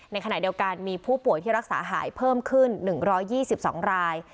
ในขณะเดียวกันมีผู้ป่วยที่รักษาหายเพิ่มขึ้นหนึ่งร้อยยี่สิบสองราย